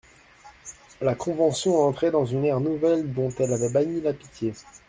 La Convention entrait dans une ère nouvelle dont elle avait banni la pitié.